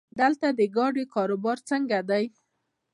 دلته د ګاډو کاروبار څنګه دی؟